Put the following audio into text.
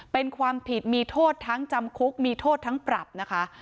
เป็นความผิดมีโทษทั้งจำคุกมีโทษทั้งปรับนะคะ